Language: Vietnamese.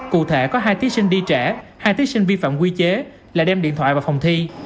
cụ thể có hai thí sinh đi trẻ hai thí sinh vi phạm quy chế là đem điện thoại vào phòng thi